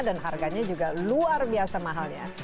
dan harganya juga luar biasa mahal ya